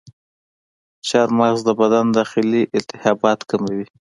چارمغز د بدن داخلي التهابات کموي.